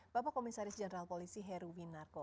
bapak komisaris jenderal polisi heruwin narko